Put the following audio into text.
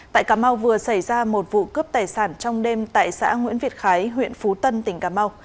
tại cà mau vừa xảy ra một vụ cướp tài sản trong đêm tại xã nguyễn việt khái huyện phú tân tỉnh cà mau